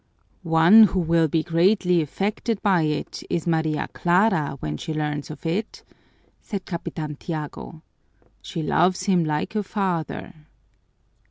"One who will be greatly affected by it is Maria Clara, when she learns of it," said Capitan Tiago. "She loves him like a father."